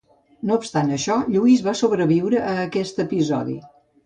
No obstant això, Lluís va sobreviure a aquest episodi.